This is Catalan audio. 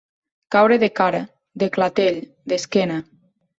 Caure de cara, de clatell, d'esquena.